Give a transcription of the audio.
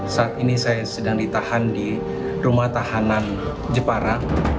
saat ini saya sedang ditahan di rumah tahanan jepara